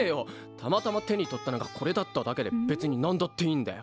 たまたま手に取ったのがこれだっただけで別になんだっていいんだよ。